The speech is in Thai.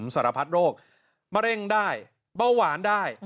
สารพัดโรคมะเร็งได้เบาหวานได้